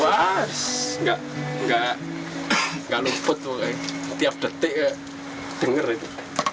wah nggak luput tuh kayak tiap detik kayak denger itu